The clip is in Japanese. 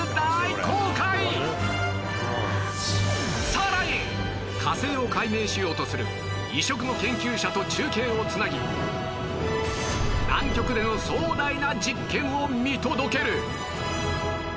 さらに火星を解明しようとする異色の研究者と中継を繋ぎ南極での壮大な実験を見届ける！